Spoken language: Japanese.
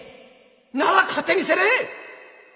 なら勝手にせんね！